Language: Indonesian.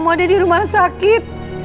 mau ada di rumah sakit